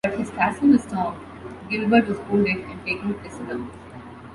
But his castle was stormed, Gilbert was wounded and taken prisoner.